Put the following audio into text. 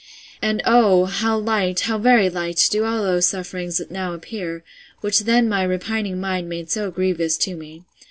—And oh, how light, how very light, do all those sufferings now appear, which then my repining mind made so grievous to me!